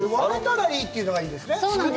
でも、割れたらいいというのが、いいよね。